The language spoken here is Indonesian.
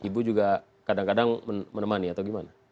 ibu juga kadang kadang menemani atau gimana